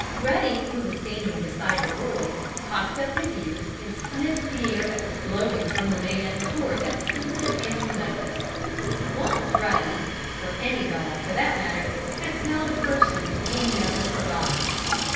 Ruddy who was standing beside the boy, cocked up his ears and sniffed the air that was blowing from the man toward that sensitive animal nose. Once Ruddy (or any dog, for that matter) had smelled a person, he never forgot.